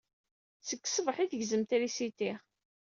Seg ṣṣbaḥ ay tegzem trisiti.